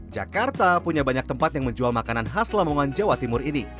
jakarta punya banyak tempat yang menjual makanan khas lamongan jawa timur ini